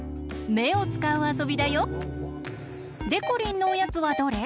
めをつかうあそびだよ。でこりんのおやつはどれ？